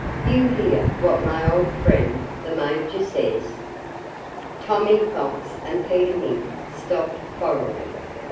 "You hear what my old friend the Major says?" Tommy Fox and Peter Mink stopped quarreling.